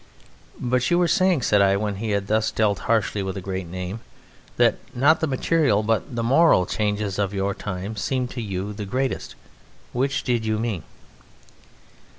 "But you were saying," said I, when he had thus dealt harshly with a great name, "that not the material but the moral changes of your time seemed to you the greatest. Which did you mean?"